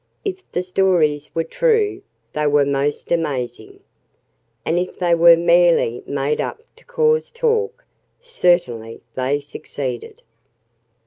If the stories were true, they were most amazing. And if they were merely made up to cause talk, certainly they succeeded.